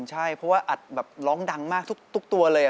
ใช่เพราะว่าอัดแบบร้องดังมากทุกตัวเลย